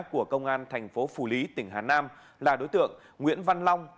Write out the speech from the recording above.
của công an thành phố phủ lý tỉnh hà nam là đối tượng nguyễn văn long